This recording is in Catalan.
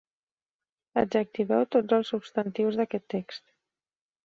Adjectiveu tots els substantius d'aquest text.